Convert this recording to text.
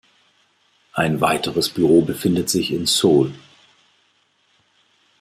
Ein weiteres Büro befindet sich in Seoul.